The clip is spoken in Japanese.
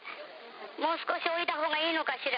もう少し置いたほうがいいのかしら。